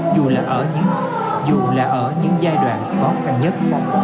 dù là ở những giai đoạn khó khăn nhất